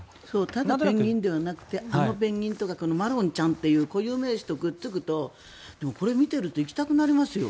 ただペンギンだけじゃなくてあのペンギンとかマロンちゃんという固有名詞とくっつくとでもこれを見ていると行きたくなりますよ。